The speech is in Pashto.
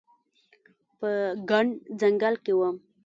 په ګڼ ځنګل کې وم